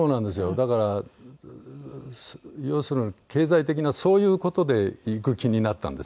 だから要するに経済的なそういう事で行く気になったんですね。